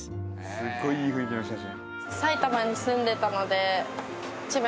すごいいい雰囲気の写真。